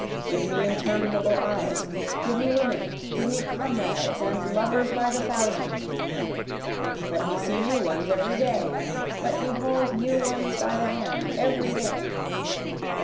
Give me interminable eyes give me women give me comrades and lovers by the thousand! Let me see new ones every day let me hold new ones by the hand every day!